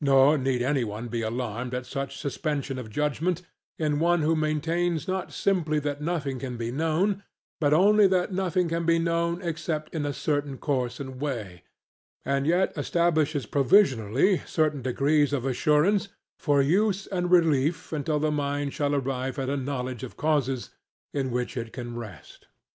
Nor need any one be alarmed at such suspension of judgment, in one who maintains not simply that nothing can be known, but only that nothing can be known except in a certain course and way; and yet establishes provisionally certain degrees of assurance, for use and relief until the mind shall arrive at a knowledge of causes in which it can rest.